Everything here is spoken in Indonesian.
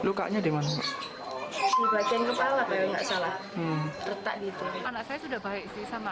lukanya dimana sih bagian kepala kayak enggak salah retak gitu anak saya sudah baik sih sama